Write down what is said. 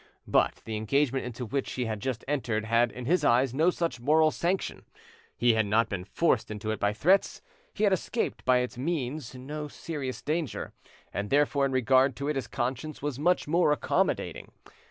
But the engagement into which he had just entered had in his eyes no such moral sanction; he had not been forced into it by threats, he had escaped by its means no serious danger, and therefore in regard to it his conscience was much more accommodating.